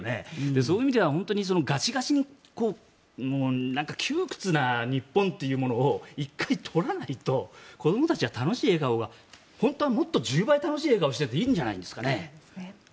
そういう意味では、ガチガチの窮屈な日本というものを１回取らないと子どもたちの楽しい笑顔が本当はもっと１０倍楽しい笑顔をしてていいんじゃないですかね。